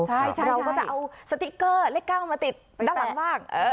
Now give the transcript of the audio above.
ใช่เราก็จะเอาสติ๊กเกอร์เลข๙มาติดด้านหลังบ้าง